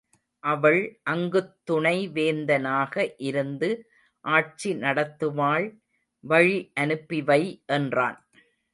அவள் அங்குத் துணைவேந்தனாக இருந்து ஆட்சி நடத்துவாள் வழி அனுப்பிவை என்றான்.